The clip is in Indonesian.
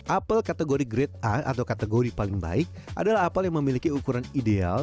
apel kategori grade a atau kategori paling baik adalah apel yang memiliki ukuran ideal